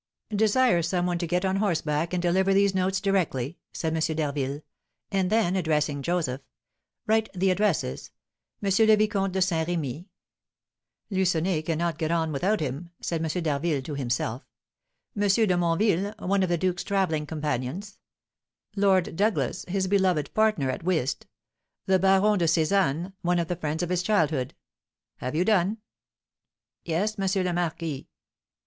"Desire some one to get on horseback, and deliver these notes directly," said M. d'Harville; and then, addressing Joseph, "Write the addresses: M. le Vicomte de Saint Remy, Lucenay cannot get on without him," said M. d'Harville to himself; "M. de Monville, one of the duke's travelling companions; Lord Douglas, his beloved partner at whist; the Baron de Sézannes, one of the friends of his childhood. Have you done?" "Yes, M. le Marquis."